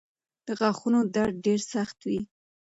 د غاښونو درد ډېر سخت وي.